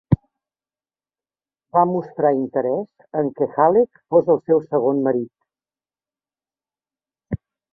Va mostrar interès en què Halleck fos el seu segon marit.